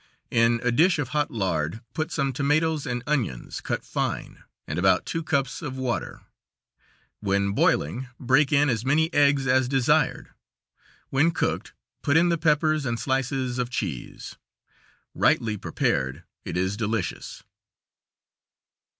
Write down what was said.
In a dish of hot lard put some tomatoes and onions, cut fine, and about two cups of water. When boiling, break in as many eggs as desired. When cooked, put in the peppers and slices of cheese. Rightly prepared, it is delicious.